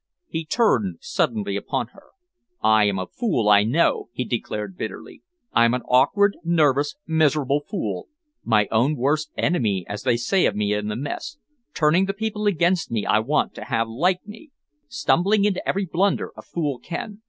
He turned suddenly upon her. "I am a fool, I know," he declared bitterly. "I'm an awkward, nervous, miserable fool, my own worst enemy as they say of me in the Mess, turning the people against me I want to have like me, stumbling into every blunder a fool can.